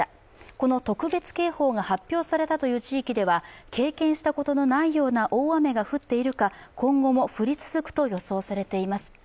この特別警報が発表されたという地域では経験したことのないような大雨が降っているか、今後も降り続くと予想されています。